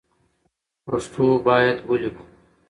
پښتو باید ولیکو